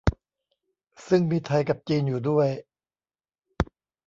ซึ่งมีไทยกับจีนอยู่ด้วย